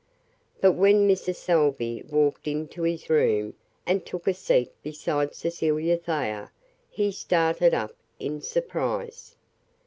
But when Mrs. Salvey walked into his room and took a seat beside Cecilia Thayer he started up in surprise.